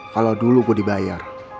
kalau dulu gue dibayar